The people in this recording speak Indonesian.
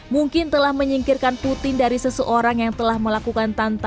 mungkin telah menyingkirkan putin dari seseorang yang telah melakukan tantangan